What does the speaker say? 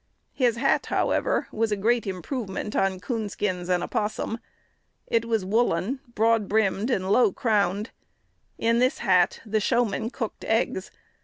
His hat, however, was a great improvement on coon skins and opossum. It was woollen, broad brimmed, and low crowned. In this hat the "showman cooked eggs."